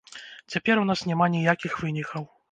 Цяпер у нас няма ніякіх вынікаў.